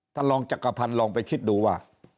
ท่านรองจักรพันธ์ลองไปคิดดูว่า